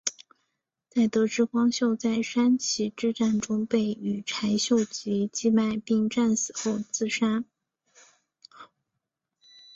在得知光秀在山崎之战中被羽柴秀吉击败并战死后自杀。